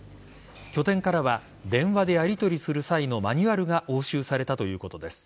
拠点からは電話でやりとりする際のマニュアルが押収されたということです。